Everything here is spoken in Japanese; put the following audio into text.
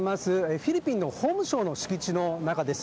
フィリピンの法務省の敷地の中です。